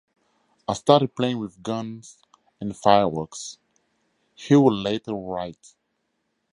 "I started playing with guns and fireworks", he would later write.